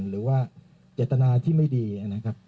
หรือว่าเจตนาที่ไม่ดีนะครับ